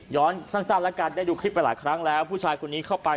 สั้นแล้วกันได้ดูคลิปไปหลายครั้งแล้วผู้ชายคนนี้เข้าไป